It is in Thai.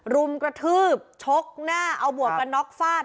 รุมกระทืบชกหน้าเอาหมวกกันน็อกฟาด